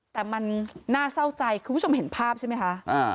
แต่มันน่าเศร้าใจคุณผู้ชมเห็นภาพใช่ไหมคะ